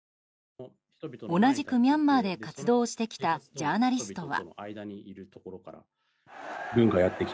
同じくミャンマーで活動してきたジャーナリストは。